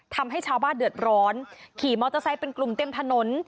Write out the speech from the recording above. ทำให้ชาวบ้านเดือดร้อนขี่มอเตอร์ไซค์เป็นกลุ่มเต็มถนน